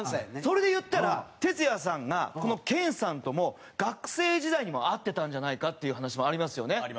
それで言ったらｔｅｔｓｕｙａさんがこのｋｅｎさんとも学生時代にもう会ってたんじゃないかっていう話もありますよね。